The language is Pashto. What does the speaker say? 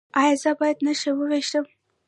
ایا زه باید نښه وویشتم؟